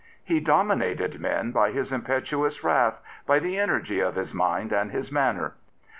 He dominated men by his impetuous wrath, by the energy of his mind and his manner.